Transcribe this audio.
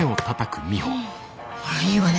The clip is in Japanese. あらいいわね。